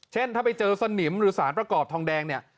เช่นถ้าไปเจอสนิมหรือสารประกอบทองแดงเนี่ย